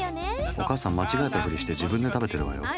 お母さん間違えたフリして自分で食べてるわよ。